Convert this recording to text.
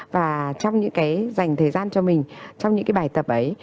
và trong những cái dành thời gian cho mình trong những cái bài tập ấy